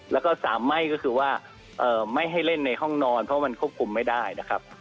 แล้วก็สามไหม้ก็คือว่าไม่ให้เล่นในห้องนอนเพราะมันควบคุมไม่ได้นะครับ